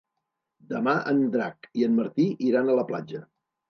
Demà en Drac i en Martí iran a la platja.